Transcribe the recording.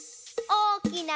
おおきな